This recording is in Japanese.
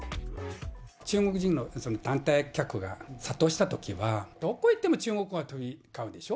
中国人の団体客が殺到したときは、どこへ行っても中国が飛び交うでしょ？